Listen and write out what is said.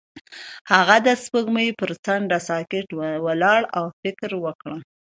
هغه د سپوږمۍ پر څنډه ساکت ولاړ او فکر وکړ.